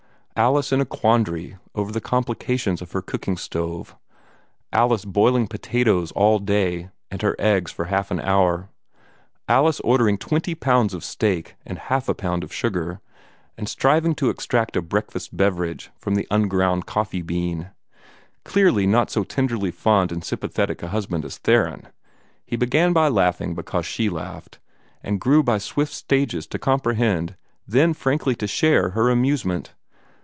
Alice in a quandary over the complications of her cooking stove; Alice boiling her potatoes all day, and her eggs for half an hour; Alice ordering twenty pounds of steak and half a pound of sugar, and striving to extract a breakfast beverage from the unground coffee bean? Clearly not so tenderly fond and sympathetic a husband as Theron. He began by laughing because she laughed, and grew by swift stages to comprehend, then frankly to share, her amusement.